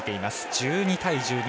１２対１２。